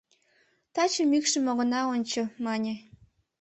Таче мӱкшым огына ончо, мане.